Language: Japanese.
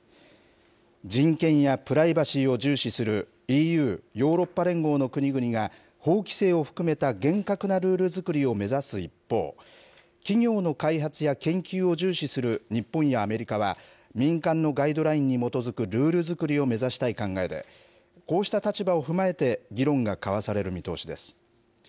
人権やプライバシーを重視するＥＵ・ヨーロッパ連合の国々が、法規制を含めた厳格なルール作りを目指す一方、企業の開発や研究を重視する日本やアメリカは、民間のガイドラインに基づくルール作りを目指したい考えで、こうした立場を踏まえて、議論が交わされる見通しです。